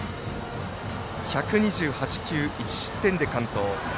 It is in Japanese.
１２８球１失点で完投。